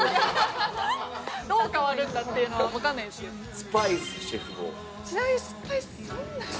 どう変わるんだっていうのは分かんないですよね。